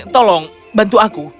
tolong bantu aku